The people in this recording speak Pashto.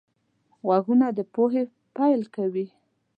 غوږونه د پوهې پیل کوي